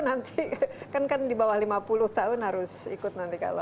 nanti kan di bawah lima puluh tahun harus ikut nanti kalau